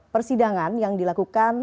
persidangan yang dilakukan